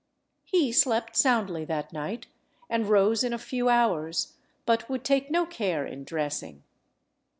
He slept soundly that night and rose in a few hours, but would take no care in dressing.